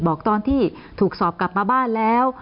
บอกตอนที่ถูกสอบกลับมาบ้านแล้ว